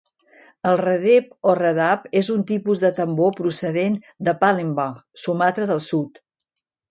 El redep o redap és un tipus de tambor procedent de Palembang, Sumatra del Sud.